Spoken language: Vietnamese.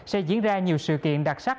sẽ diễn ra nhiều sự kiện đặc sắc